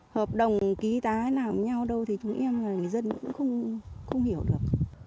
hợp đồng ký tá nào với nhau đâu thì chúng em là người dân cũng không hiểu được